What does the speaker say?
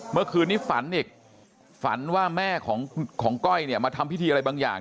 เมื่อคืนนี้ฝันอีกฝันว่าแม่ของก้อยเนี่ยมาทำพิธีอะไรบางอย่าง